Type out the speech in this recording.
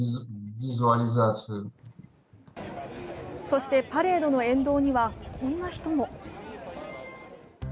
そしてパレードの沿道にはこんな人も。